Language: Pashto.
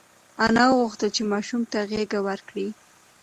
انا غوښتل چې ماشوم ته غېږه ورکړي.